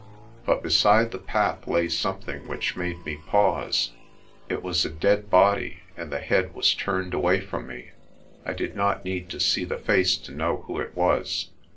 But beside the path lay something which made me pause. It was a dead body and the head was turned away from me. I did not need to see the face to know who it was.